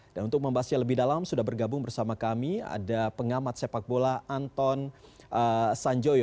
dan untuk membahasnya lebih dalam sudah bergabung bersama kami ada pengamat sepak bola anton sanjoyo